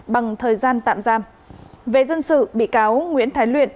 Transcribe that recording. bằng thời gian tạm giam về dân sự bị cáo nguyễn thái luyện